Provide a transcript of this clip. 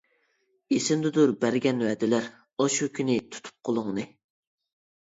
ئېسىمدىدۇر بەرگەن ۋەدىلەر، ئاشۇ كۈنى تۇتۇپ قولۇڭنى.